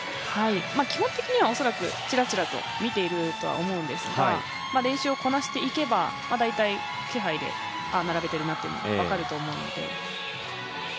基本的には恐らくちらちらと見ているとは思うんですが練習をこなしていけば大体、気配で並べてるなというのが分かると思うので。